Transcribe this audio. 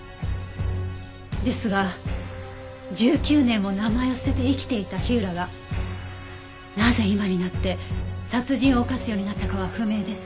ですが１９年も名前を捨てて生きていた火浦がなぜ今になって殺人を犯すようになったかは不明です。